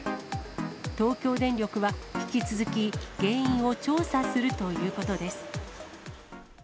東京電力は、引き続き原因を調査するということです。